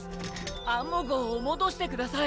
アンモ号を戻してください。